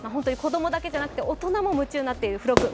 子供だけじゃなく、大人も夢中になっている付録。